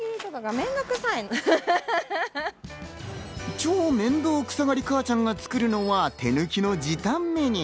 超めんどくさがり母ちゃんが作るのは手抜きの時短メニュー。